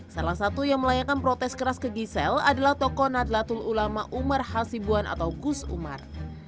salah satu yang melayangkan protes keras ke gisel adalah tokoh nadlatul ulama umar hasibuan atau gus umar